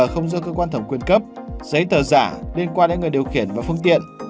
không do cơ quan thẩm quyền cấp giấy tờ giả liên quan đến người điều khiển và phương tiện